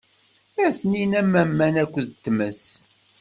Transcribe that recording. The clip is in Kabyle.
Atenin am aman akked tmes.